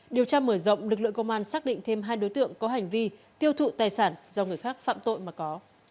điều tra mở rộng lực lượng công an xác định thêm hai đối tượng có hành vi tiêu thụ tài sản do người khác phạm tội mà có